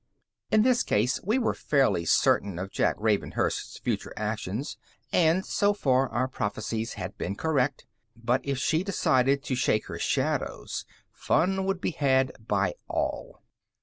In this case, we were fairly certain of Jack Ravenhurst's future actions, and so far our prophecies had been correct ... but if she decided to shake her shadows, fun would be had by all.